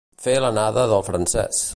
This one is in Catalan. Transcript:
Fer l'anada del francès.